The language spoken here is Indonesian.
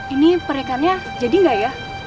ini perekannya jadi gak ya